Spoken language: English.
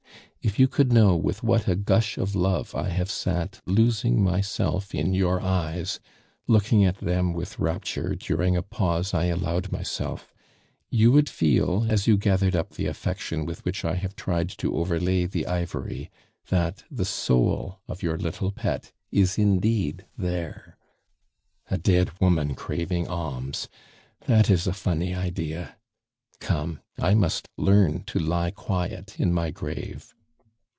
If you could know with what a gush of love I have sat losing myself in your eyes, looking at them with rapture during a pause I allowed myself, you would feel as you gathered up the affection with which I have tried to overlay the ivory, that the soul of your little pet is indeed there. "A dead woman craving alms! That is a funny idea. Come, I must learn to lie quiet in my grave.